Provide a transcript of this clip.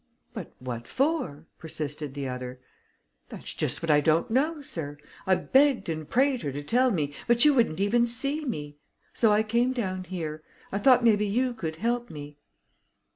"But what for?" persisted the other. "That's just what I don't know, sir; I begged and prayed her to tell me, but she wouldn't even see me. So I came down here. I thought maybe you could help me."